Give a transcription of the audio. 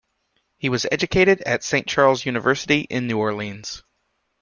He was educated at Saint Charles University in New Orleans.